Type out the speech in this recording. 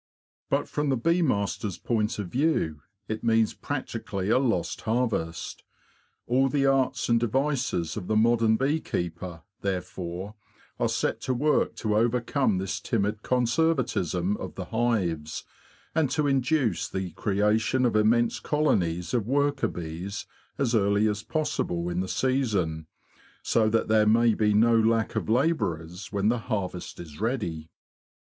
But from the bee master's point of view it means practically a lost harvest. All the arts and devices of the modern bee keeper, therefore, are set to work to overcome this timid conservatism of the hives, and to induce the creation of immense colonies of worker bees as early as possible in the season, so that there may be no lack of labourers when the harvest is ready.